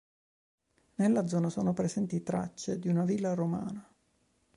Nella zona sono presenti tracce di una villa romana.